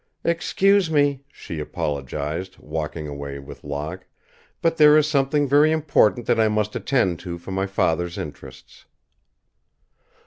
"Excuse me," she apologized, walking away with Locke, "but there is something very important that I must attend to for my father's interests."